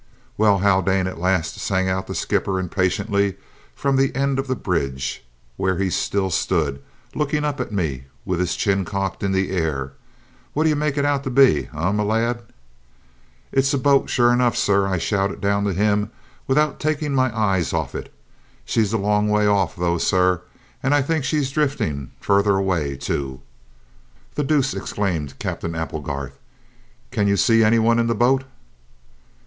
"Well, Haldane!" at last sang out the skipper impatiently from the end of the bridge, where he still stood, looking up at me with his chin cocked in the air. "What do you make it out to be, eh, my lad?" "It's a boat sure enough, sir," I shouted down to him, without taking my eyes off it. "She's a long way off, though, sir, and I think she's drifting further away, too." "The deuce!" exclaimed Captain Applegarth. "Can you see any one in the boat?"